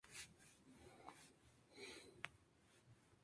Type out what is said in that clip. El verso final cambia la descripción a un proceso pensado más introspectivo.